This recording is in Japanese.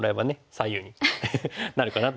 左右になるかなと思いますけども。